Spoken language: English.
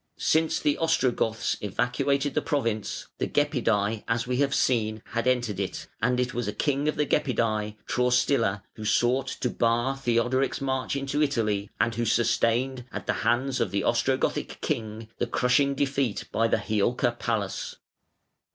Since the Ostrogoths evacuated the province (473), the Gepidæ, as we have seen, had entered it, and it was a king of the Gepidæ, Traustila, who sought to bar Theodoric's march into Italy, and who sustained at the hands of the Ostrogothic king the crushing defeat by the Hiulca Palus (488).